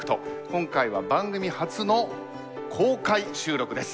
今回は番組初の公開収録です。